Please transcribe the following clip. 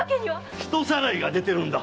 〔人さらいが出てるんだ。